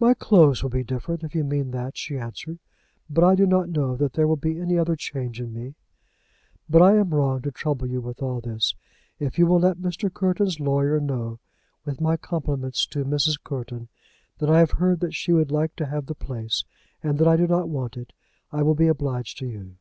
"My clothes will be different, if you mean that," she answered; "but I do not know that there will be any other change in me. But I am wrong to trouble you with all this. If you will let Mr. Courton's lawyer know, with my compliments to Mrs. Courton, that I have heard that she would like to have the place, and that I do not want it, I will be obliged to you."